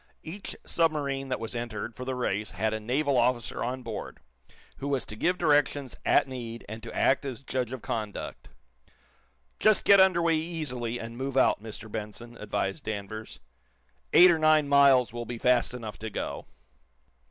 Each submarine that was entered for the race had a naval officer on board, who was to give directions, at need, and to act as judge of conduct. "Just get under way easily, and move out, Mr. Benson," advised Danvers. "Eight or nine miles will be fast enough to go."